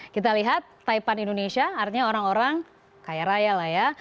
kita lihat taipan indonesia artinya orang orang kaya raya lah ya